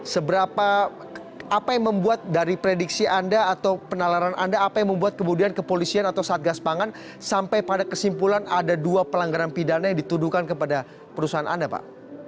seberapa apa yang membuat dari prediksi anda atau penalaran anda apa yang membuat kemudian kepolisian atau satgas pangan sampai pada kesimpulan ada dua pelanggaran pidana yang dituduhkan kepada perusahaan anda pak